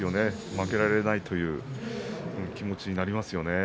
負けられないという気持ちになりますよね。